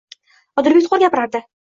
Odilbek to'g'ri gapirardi